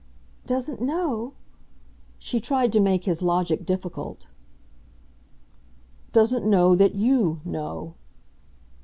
"Doesn't know ?" She tried to make his logic difficult. "Doesn't know that YOU know."